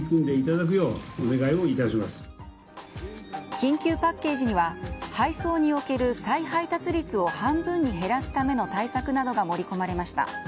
緊急パッケージには配送における再配達などを半分に減らすための対策などが盛り込まれました。